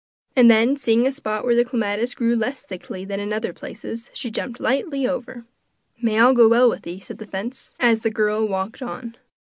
And then seeing a spot where the clematis grew less thickly than in other places, she jumped lightly over. 'May all go well with thee,' said the fence, as the girl walked on.